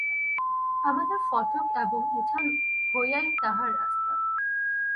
আমাদের ফটক এবং উঠান হইয়াই তাঁহার রাস্তা।